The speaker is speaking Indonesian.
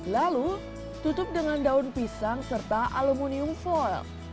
lalu tutup dengan daun pisang serta aluminium foil